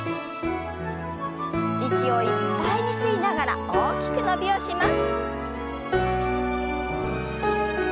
息をいっぱいに吸いながら大きく伸びをします。